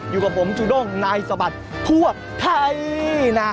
อยู่กับผมจูด้งในสบัดทั่วไทยนะ